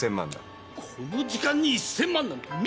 この時間に１，０００万なんて無茶だ！